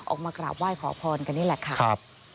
มากราบไหว้ขอพรกันนี่แหละค่ะ